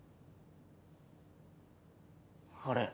あれ？